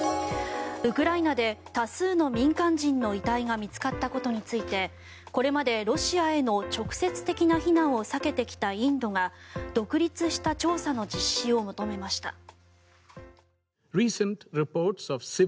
ウクライナで多数の民間人の遺体が見つかったことについてこれまでロシアへの直接的な非難を避けてきたインドが独立した調査の実施を求めました。